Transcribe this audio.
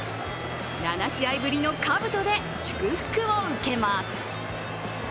７試合ぶりのかぶとで祝福を受けます。